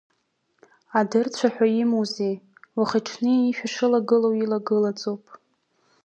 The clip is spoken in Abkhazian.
Адырцәа ҳәа имаӡоузеи, уахи-ҽни ишә ишылагылоу илагылаӡоуп…